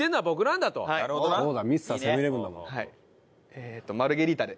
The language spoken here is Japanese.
えーっとマルゲリータで。